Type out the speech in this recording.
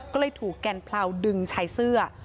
ก็เลยถูกแกนเพราดึงชายเสื้อ